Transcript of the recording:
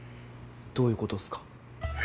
どういうことっすか？